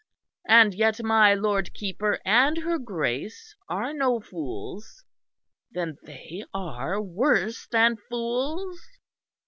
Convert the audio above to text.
And yet my Lord Keeper and her Grace are no fools! Then are they worse than fools?"